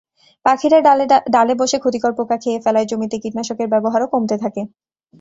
পাখিরা ডালে বসে ক্ষতিকর পোকা খেয়ে ফেলায় জমিতে কীটনাশকের ব্যবহারও কমতে থাকে।